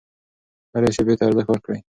هرې شیبې ته ارزښت ورکړئ.